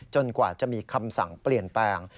กว่าจะมีคำสั่งเปลี่ยนแปลง